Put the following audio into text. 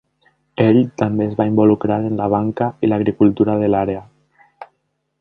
Ell també es va involucrar en la banca i l'agricultura de l'àrea.